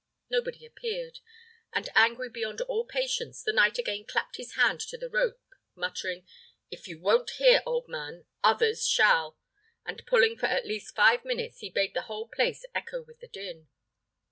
Nobody appeared, and angry beyond all patience, the knight again clapped his hand to the rope, muttering, "If you won't hear, old man, others shall;" and pulling for at least five minutes, he made the whole place echo with the din.